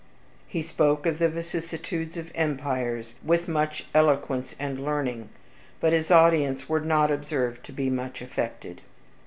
He spoke of the vicisstudes of empires with much eloquence and learning, but his audience were not observed to be much affected.